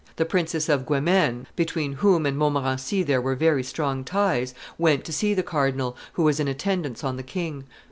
The Princess of Guemene, between whom and Montmorency there were very strong ties, went to see the cardinal, who was in attendance on the king.